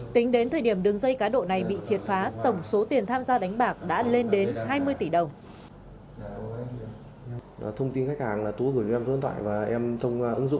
tính đến thời điểm đường dây cá độ này bị triệt phá tổng số tiền tham gia đánh bạc đã lên đến hai mươi tỷ đồng